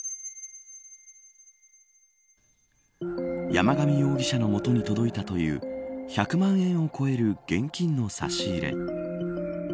山上容疑者の元に届いたという１００万円を超える現金の差し入れ。